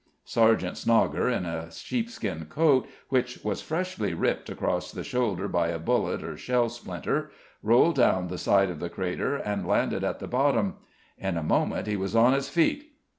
Sergeant Snogger, in a sheepskin coat, which was freshly ripped across the shoulder by a bullet or shell splinter, rolled down the side of the crater and landed at the bottom. In a moment he was on his feet.